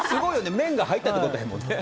面が入ったってことだもんね。